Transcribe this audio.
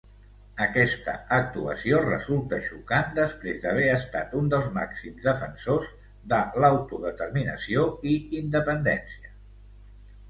Aquesta actuació resulta xocant després d'haver estat un dels màxims defensors de l'autodeterminació i independència.